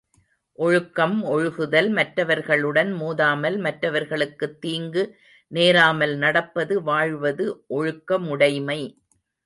ஒழுக்கம் ஒழுகுதல், மற்றவர்களுடன் மோதாமல் மற்றவர்களுக்குத் தீங்கு நேராமல் நடப்பது வாழ்வது ஒழுக்க முடைமை.